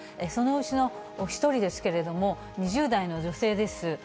そのうちの１人ですけれども、２０代の女性です。